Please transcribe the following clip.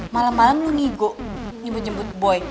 malem malem lo nigo nyebut nyebut boy